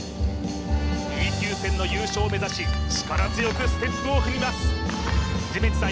Ｂ級戦の優勝を目指し力強くステップを踏みます治面地さん